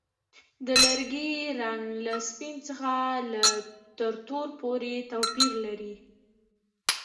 د لرګي رنګ له سپین څخه تر تور پورې توپیر لري.